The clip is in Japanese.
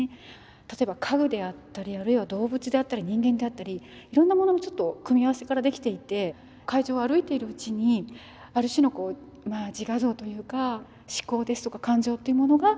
例えば家具であったりあるいは動物であったり人間であったりいろんなもののちょっと組み合わせから出来ていて会場を歩いているうちにある種のこうまあ自画像というか思考ですとか感情というものが浮かんでくる。